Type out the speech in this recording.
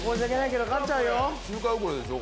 周回遅れでしょ？